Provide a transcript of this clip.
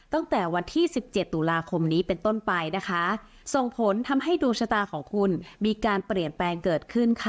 ตั้งแต่วันที่สิบเจ็ดตุลาคมนี้เป็นต้นไปนะคะส่งผลทำให้ดวงชะตาของคุณมีการเปลี่ยนแปลงเกิดขึ้นค่ะ